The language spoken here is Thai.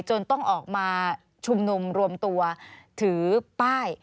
จนต้องออกมาชุมนุมรวมตัวถือป้าย